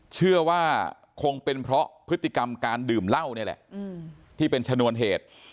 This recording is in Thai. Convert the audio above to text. เชื่อว่าคงเป็นเพราะพฤติกรรมการดื่มเหล้านี่แหละที่เป็นชนวนเหตุ